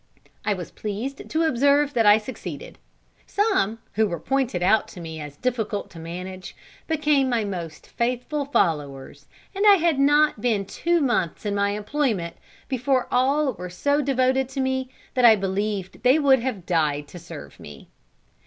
I was pleased to observe that I succeeded. Some, who were pointed out to me as difficult to manage, became my most faithful followers, and I had not been two months in my employment before all were so devoted to me, that I believe they would have died to serve me.